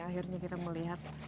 akhirnya kita melihat